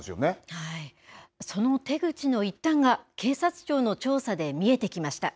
はい、その手口の一端が警察庁の調査で見えてきました。